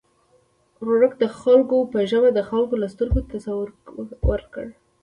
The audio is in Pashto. ورورک د خلکو په ژبه د خلکو له سترګو تصویر ورکړ.